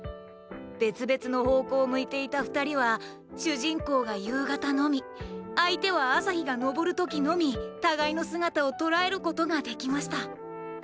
別々の方向を向いていた二人は主人公が夕方のみ相手は朝日が昇る時のみ互いの姿を捉えることができました。